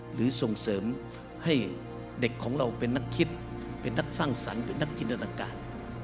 หรือส่งเสริมให้เด็กของเราเป็นนักคิดเป็นนักสร้างสรรค์เป็นนักจินตนาการ